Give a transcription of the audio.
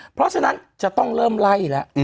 เพราะฉะนั้นจะต้องเริ่มไล่แล้ว